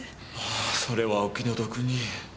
ああそれはお気の毒に。